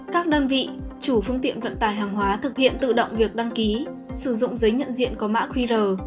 các đơn vị chủ phương tiện vận tài hàng hóa thực hiện tự động việc đăng ký sử dụng giấy nhận diện có mã qr